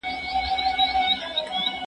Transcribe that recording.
هغه څوک چي تکړښت کوي روغ اوسي!